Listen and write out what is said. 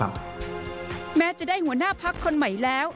แม้จะได้หัวหน้าพักคนใหม่แล้ว